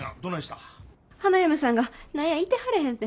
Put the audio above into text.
花嫁さんが何やいてはれへんて。